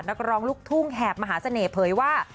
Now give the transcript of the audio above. นักร้องลูกทุ่งแหบมหาเสน่ห์เผยว่า